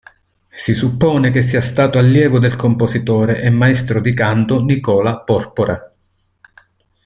Si suppone che sia stato allievo del compositore e maestro di canto Nicola Porpora.